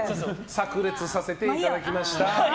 炸裂させていただきました。